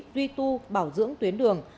duy tu bảo dưỡng tuyến đường